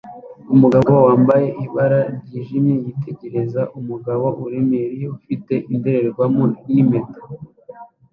Umugabo wambaye ibara ryijimye yitegereza umugabo uremereye ufite indorerwamo nimpeta